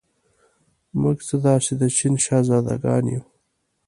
موږ څه داسې د چین شهزادګان یو.